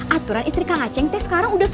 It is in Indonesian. aturan istri kang aceh teh sekarang udah sepuluh